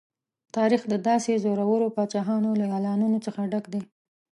تاریخ د داسې زورورو پاچاهانو له اعلانونو څخه ډک دی.